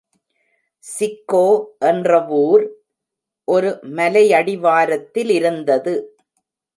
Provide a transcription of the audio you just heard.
Chicco என்றவூர் ஒரு மலையடிவாரத்திலிருந்தது.